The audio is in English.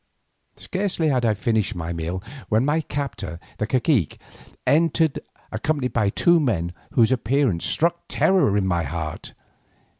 Scarcely had I finished my meal when my captor, the cacique, entered, accompanied by two men whose appearance struck terror to my heart.